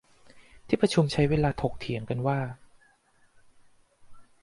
ที่ประชุมใช้เวลาถกเถียงกันว่า